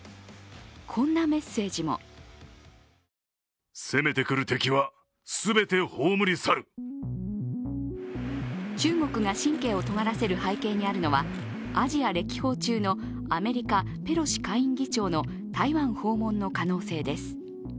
こんなメッセージも中国が神経をとがらせる背景にあるのはアジア歴訪中のアメリカペロシ下院議長の台湾訪問の可能性です。